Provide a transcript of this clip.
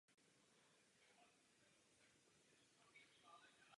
Pro tyto účely byl opatřen černým nátěrem.